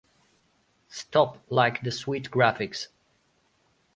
Stop liked the sweet graphics.